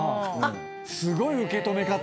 すごい受け止め方。